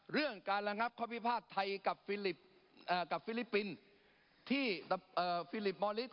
เรื่องการละงับความวิผ้าไทยกับฟิลิปปินที่ฟิลิปมลิสต์